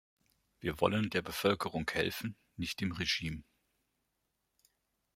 Wir wollen der Bevölkerung helfen, nicht dem Regime.